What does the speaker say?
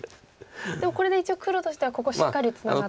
でもこれで一応黒としてはここしっかりツナがってと。